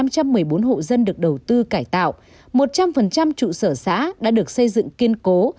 cơ sở vật chất đã được xây dựng kiên cố